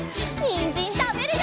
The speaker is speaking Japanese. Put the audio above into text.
にんじんたべるよ！